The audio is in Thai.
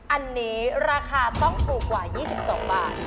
อันนี้ราคาต้องถูกกว่า๒๒บาท